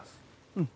うん。